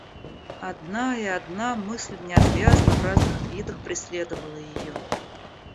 Одна и одна мысль неотвязно в разных видах преследовала ее.